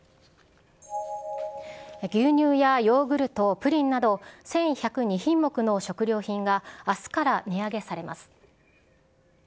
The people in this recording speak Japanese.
牛乳やヨーグルト、プリンなど１１０２品目の食料品があすから値上げされます。